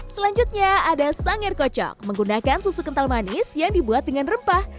selanjutnya ada sangir kocok menggunakan susu kental manis yang dibuat dengan rempah